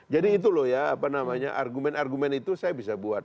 jadi itu loh ya apa namanya argumen argumen itu saya bisa buat